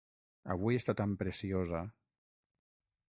Avui està tan preciosa.